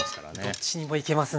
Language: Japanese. どっちにもいけますね。